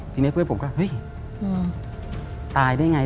ทีนี้เพื่อนผมก็เฮ้ยตายได้ไง